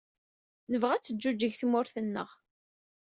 Nebɣa ad teǧǧuǧeg tmurt-nneɣ.